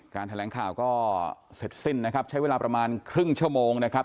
แถลงข่าวก็เสร็จสิ้นนะครับใช้เวลาประมาณครึ่งชั่วโมงนะครับ